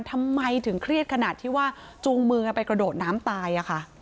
ทำไมถึงเครียดขนาดที่ว่าจูงมือกันไปกระโดดน้ำตายอะค่ะ